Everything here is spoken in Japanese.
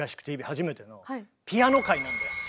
初めての「ピアノ回」なんだよ。